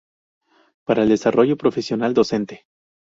Para el desarrollo profesional docente.